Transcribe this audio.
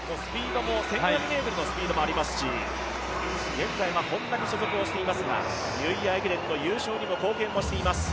１５００ｍのスピードもありますし、現在Ｈｏｎｄａに所属をしていますが、ニューイヤー駅伝の優勝にも貢献をしています。